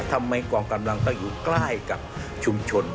ทำไมกองกำลังก็อยู่ใกล้กับชุมชน